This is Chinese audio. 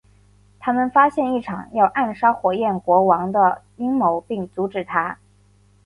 他们发现一场要暗杀火焰国王的阴谋并阻止它。